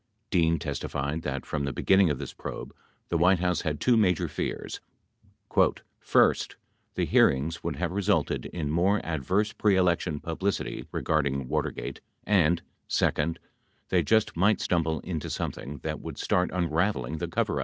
Dean testified that, from the beginning of this probe, the White House had two major fears: "First, the hearings would have resulted in more adverse pre election publicity regarding Watergate and, second, they just might stumble into something that would start unraveling the coverup."